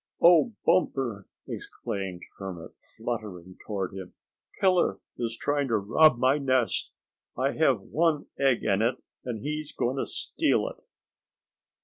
"Oh, Bumper," exclaimed Hermit, fluttering toward him, "Killer is trying to rob my nest. I have one egg in it, and he's going to steal it."